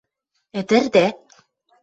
– Ӹдӹрдӓ?